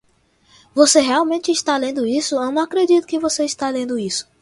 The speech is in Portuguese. você realmente está lendo isso? eu não acredito que você está lendo isso!